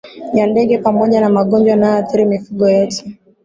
ya ndege pamoja na Magonjwa yanayoathiri mifugo yetu